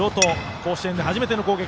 甲子園で初めての攻撃。